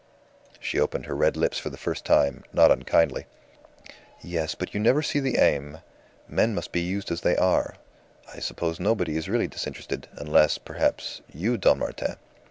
She opened her red lips for the first time, not unkindly. "Yes, but you never see the aim. Men must be used as they are. I suppose nobody is really disinterested, unless, perhaps, you, Don Martin."